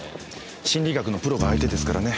心理学のプロが相手ですからね。